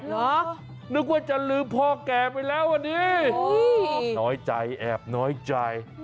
นึกว่าจะลืมพ่อแก่ไปแล้ววันนี้น้อยใจแอบน้อยใจ